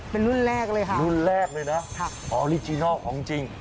เป็นรุ่นแรกเลยค่ะรุ่นแรกเลยนะออริจินัลของจริง